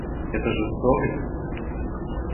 Это жестокость?